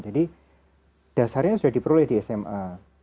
jadi dasarnya sudah diperoleh di sma